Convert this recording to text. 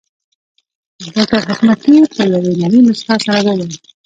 ډاکټر حشمتي په يوې نرۍ مسکا سره وويل